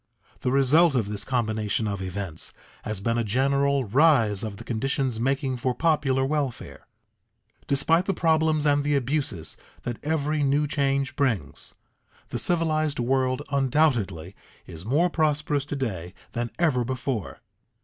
The result of this combination of events has been a general rise of the conditions making for popular welfare. Despite the problems and the abuses that every new change brings, the civilized world undoubtedly is more prosperous to day than ever before.